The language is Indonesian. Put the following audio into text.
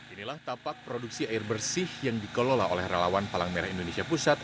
inilah tapak produksi air bersih yang dikelola oleh relawan palang merah indonesia pusat